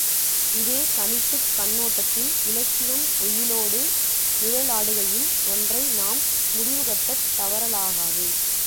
இதே கணிப்புக் கண்ணோட்டத்தில் இலக்கியம் ஒயிலோடு நிழலாடுகையில், ஒன்றை நாம் முடிவுகட்டத் தவறலாகாது.